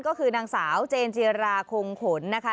ก็คือนางสาวเจนจิราคงขนนะคะ